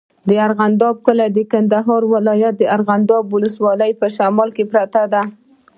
د ارغنداب کلی د کندهار ولایت، ارغنداب ولسوالي په شمال کې پروت دی.